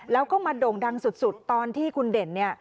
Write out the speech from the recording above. แล้วก็มาโด่งดังสุดตอนที่คุณเด่นเนี่ย